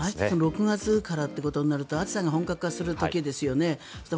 ６月からということになると暑さが本格化する時ですよね。